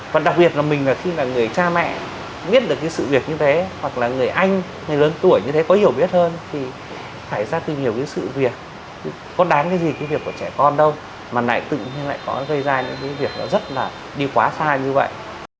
còn đặc biệt là mình khi là người cha mẹ biết được cái sự việc như thế hoặc là người anh người lớn tuổi như thế có hiểu biết hơn thì thải ra từ nhiều cái sự việc có đáng cái gì cái việc của trẻ con đâu mà lại tự nhiên lại có gây ra những cái việc nó rất là đi quá xa như vậy